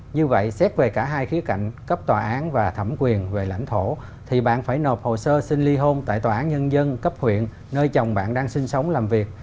như vậy xét về cả hai khía cạnh cấp tòa án và thẩm quyền về lãnh thổ thì bạn phải nộp hồ sơ xin ly hôn tại tòa án nhân dân cấp huyện nơi chồng bạn đang sinh sống làm việc